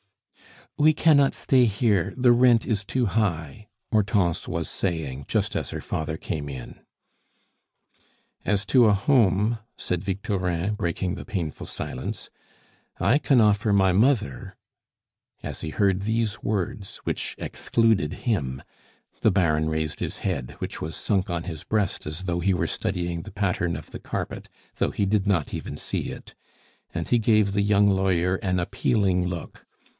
"We cannot stay here, the rent is too high," Hortense was saying just as her father came in. "As to a home," said Victorin, breaking the painful silence, "I can offer my mother " As he heard these words, which excluded him, the Baron raised his head, which was sunk on his breast as though he were studying the pattern of the carpet, though he did not even see it, and he gave the young lawyer an appealing look.